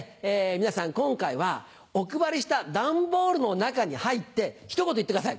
皆さん今回はお配りした段ボールの中に入ってひと言言ってください。